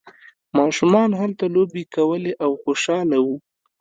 ماشومان هلته لوبې کولې او خوشحاله وو.